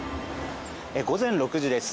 午前６時です。